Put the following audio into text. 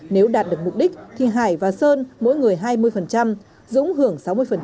nếu đạt được mục đích thì hải và sơn mỗi người hai mươi dũng hưởng sáu mươi